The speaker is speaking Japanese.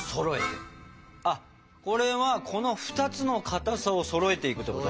これはこの２つのかたさをそろえていくってこと？